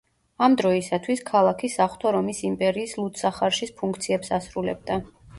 ამ დროისათვის, ქალაქი საღვთო რომის იმპერიის ლუდსახარშის ფუნქციებს ასრულებდა.